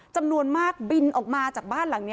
จำนวนมากบินออกมาจากบ้านหลังนี้